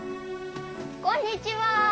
こんにちは。